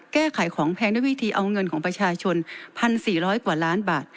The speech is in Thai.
แก้ไขของแพงด้วยวิธีเอาเงินของประชาชน๑๔๐๐กว่าล้านบาท